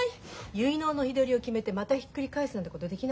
結納の日取りを決めてまたひっくり返すなんてことはできないのよ？